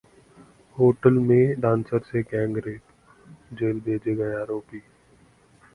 hotel में dancer से gang rape, jail भेजे गए आरोपी